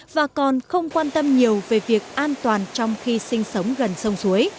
và còn không quan tâm nhiều về việc an toàn trong khi sinh sống gần sông suối